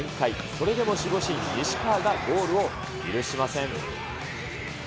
それでも守護神、西川がゴールを許しません。